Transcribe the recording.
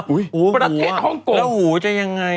อุ้ยประเทศฮ่องกงแล้วหูจะยังไง